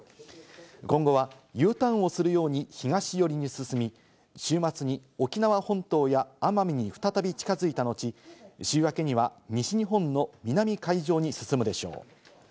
今後はＵターンをするように東寄りに進み、週末に沖縄本島や奄美に再び近づいた後、週明けには西日本の南海上に進むでしょう。